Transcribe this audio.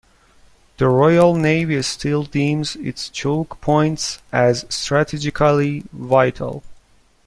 The Royal Navy still deems its choke points as strategically vital.